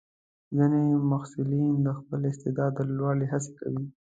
ځینې محصلین د خپل استعداد لوړولو هڅه کوي.